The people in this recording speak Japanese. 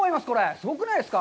すごくないですか？